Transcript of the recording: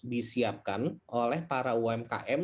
disiapkan oleh para umkm